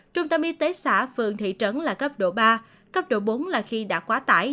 trung tâm y tế xã phường thị trấn là cấp độ ba cấp độ bốn là khi đã quá tải